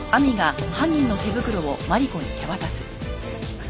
お願いします。